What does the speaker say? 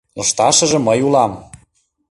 Лышташыже мый улам.